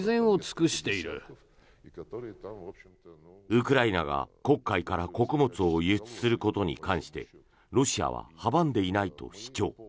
ウクライナが黒海から穀物を輸出することに関してロシアは阻んでいないと主張。